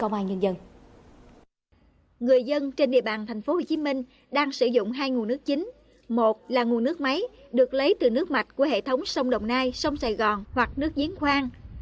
một là nguồn nước máy được lấy từ nước mạch của hệ thống sông đồng nai sông sài gòn hoặc nước giếng khoang